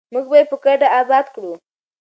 موږ به یې په ګډه اباد کړو.